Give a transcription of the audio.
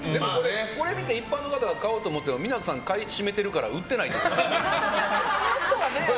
これ見て一般の方が買うってなったら港さん、買い占めてるから売ってないとか。